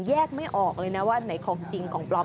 ไม่ออกเลยนะว่าไหนของจริงของปลอม